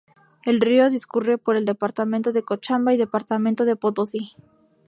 El río discurre por el departamento de Cochabamba y departamento de Potosí.